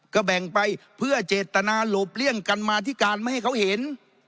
ก็แบ่งไปเพื่อเจตนาหลบเลี่ยงกันมาธิการไม่ให้เขาเห็น